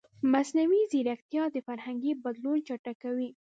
مصنوعي ځیرکتیا د فرهنګي بدلون چټکوي.